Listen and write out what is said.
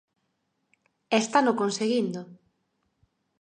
E estano conseguindo.